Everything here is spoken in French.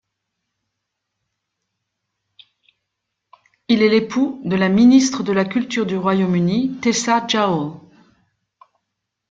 Il est l'époux de la ministre de la culture du Royaume-Uni, Tessa Jowell.